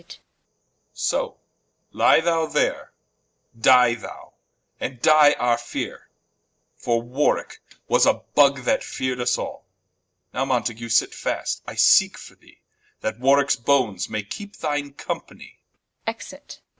Edw. So, lye thou there: dye thou, and dye our feare, For Warwicke was a Bugge that fear'd vs all. Now Mountague sit fast, I seeke for thee, That Warwickes Bones may keepe thine companie. Enter.